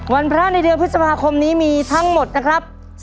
พระในเดือนพฤษภาคมนี้มีทั้งหมดนะครับ